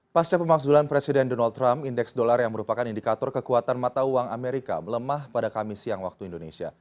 pasca pemaksulan presiden donald trump indeks dolar yang merupakan indikator kekuatan mata uang amerika melemah pada kamis siang waktu indonesia